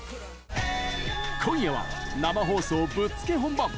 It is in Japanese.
今夜は、生放送ぶっつけ本番！